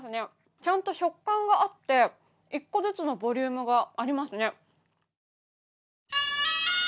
ちゃんと食感があって、１個ずつのボリュームがありますね。